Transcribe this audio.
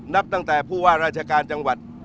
นับตั้งแต่ผู้ว่าราชการจังหวัด